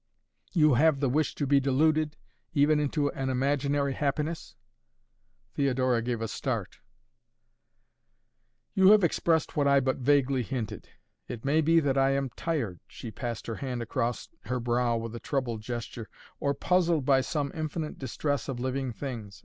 "You have the wish to be deluded even into an imaginary happiness?" Theodora gave a start. "You have expressed what I but vaguely hinted. It may be that I am tired" she passed her hand across her brow with a troubled gesture "or puzzled by some infinite distress of living things.